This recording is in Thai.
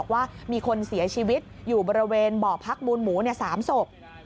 ว่ามีคนเสียชีวิตอยู่บริเวณบ่อพักมูลหมู๓ศพ